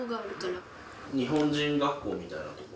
日本人学校みたいなところ？